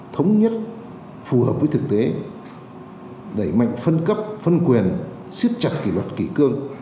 thống nhất phù hợp với thực tế đẩy mạnh phân cấp phân quyền siết chặt kỷ luật kỷ cương